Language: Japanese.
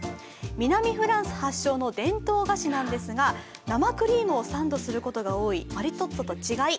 南フランス発祥の伝統菓子なんですが生クリームをサンドすることが多いマリトッツォと違い